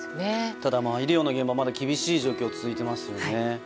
ただ、医療の現場はまだ厳しい状況が続いていますね。